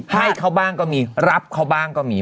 ให้เขาบ้างก็มีรับเขาบ้างก็มี